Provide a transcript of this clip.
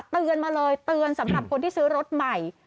เตือนมาเลยเตือนสำหรับคนที่ซื้อรถใหม่